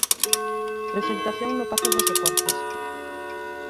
Presentación no Pazo dos Deportes.